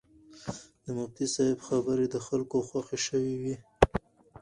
د مفتي صاحب خبرې د خلکو خوښې شوې وې.